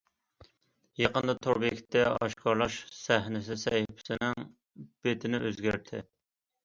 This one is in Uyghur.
يېقىندا تور بېكىتى« ئاشكارىلاش سەھنىسى» سەھىپىسىنىڭ بېتىنى ئۆزگەرتتى.